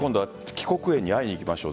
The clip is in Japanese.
帰国園に会いに行きましょう。